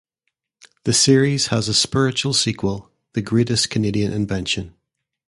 The series has a spiritual sequel, "The Greatest Canadian Invention".